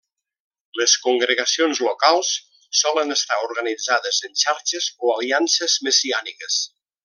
Les congregacions locals solen estar organitzades en xarxes o aliances messiàniques.